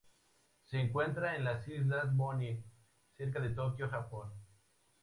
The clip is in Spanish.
Se encuentra en las islas Bonin, cerca de Tokio, Japón.